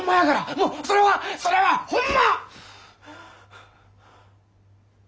もうそれはそれはホンマ！